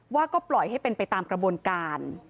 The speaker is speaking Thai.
ว่าก็ปล่อยให้เป็นไปตามกระบวนการ